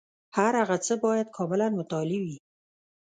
هر هغه څه باید کاملاً متعالي وي.